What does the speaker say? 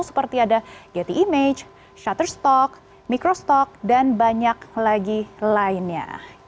seperti ada gt image shutterstock mikrostock dan banyak lagi lainnya